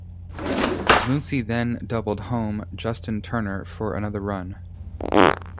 Muncy then doubled home Justin Turner for another run.